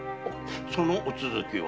そのお続きを。